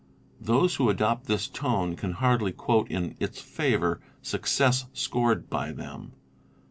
Those who adopt this tone can hardly quote in its favour success scored by them.